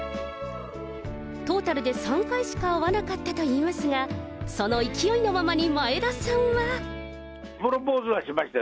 トータルで３回しか会わなかったといいますが、その勢いのままに前田さんは。プロポーズはしましたよ。